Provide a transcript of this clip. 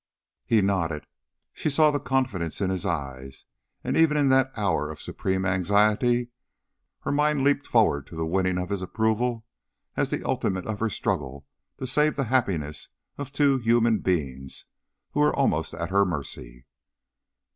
He nodded. She saw the confidence in his eyes, and even in that hour of supreme anxiety her mind leapt forward to the winning of his approval as the ultimate of her struggle to save the happiness of two human beings who were almost at her mercy.